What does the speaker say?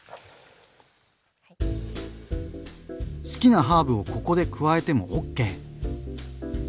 好きなハーブをここで加えてもＯＫ！